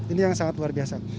ini yang sangat luar biasa